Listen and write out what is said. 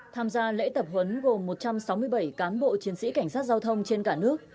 tham gia lễ tập huấn gồm một trăm sáu mươi bảy cán bộ chiến sĩ cảnh sát giao thông trên cả nước